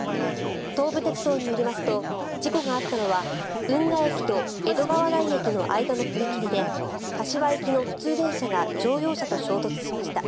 東武鉄道によりますと事故があったのは運河駅と江戸川台駅の間の踏切で柏行きの普通電車が乗用車と衝突しました。